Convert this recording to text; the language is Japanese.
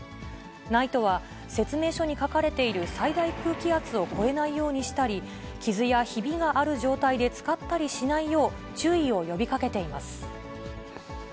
ＮＩＴＥは説明書に書かれている最大空気圧を超えないようにしたり、傷やひびがある状態で使ったりしないよう、注意を呼びかけています。